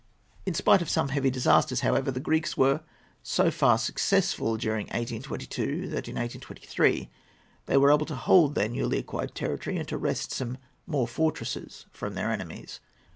In spite of some heavy disasters, however, the Greeks were so far successful during 1822 that in 1823 they were able to hold their newly acquired territory and to wrest some more fortresses from their enemies.